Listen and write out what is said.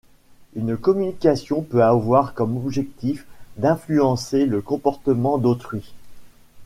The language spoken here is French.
Une communication peut avoir comme objectif, d'influencer le comportement d'autrui.